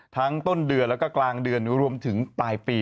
ต้นเดือนแล้วก็กลางเดือนรวมถึงปลายปี